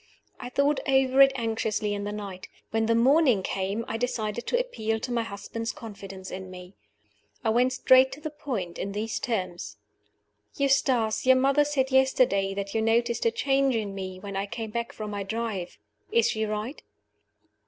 I thought over it anxiously in the night. When the morning came, I decided to appeal to my husband's confidence in me. I went straight to the point in these terms: "Eustace, your mother said yesterday that you noticed a change in me when I came back from my drive. Is she right?"